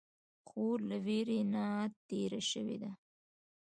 خور له ویرې نه تېره شوې ده.